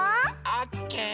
オッケー！